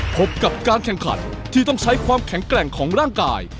พบกับการแข่งขันที่ต้องใช้ความแข็งแกร่งของร่างกาย